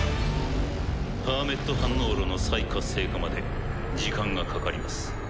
パーメット反応炉の再活性化まで時間がかかります。